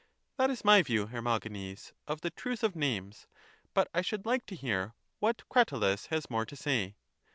That is my view, Hermogenes, of the truth of names ; but I should like to hear what Cratylus has more to say.